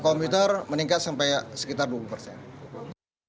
komputer meningkat sampai sekitar dua puluh persen